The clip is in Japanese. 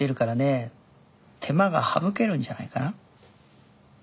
手間が省けるんじゃないかな。